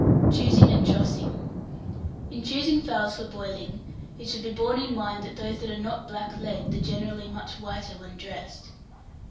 Choosing and Trussing. In choosing fowls for boiling, it should be borne in mind that those that are not black legged are generally much whiter when dressed.